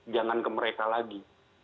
jangan ke mereka lagi